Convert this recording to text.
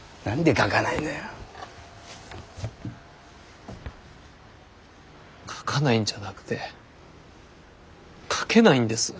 書かないんじゃなくて書けないんです。